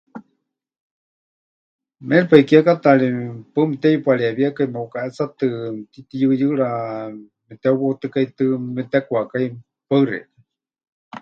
Méripai kiekátaari paɨ mepɨteyupareewíekai, meʼukaʼetsatɨ, mɨtitiyɨyɨɨra meteuwautɨkaitɨ́ mepɨtekwakái. Paɨ xeikɨ́a.